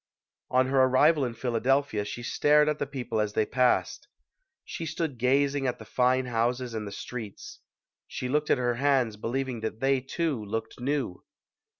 On her arrival in Philadelphia she stared at the people as they passed. She stood gazing at the fine houses and the streets. She looked at her hands, believing that they, too, looked new.